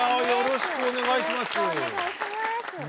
よろしくお願いします。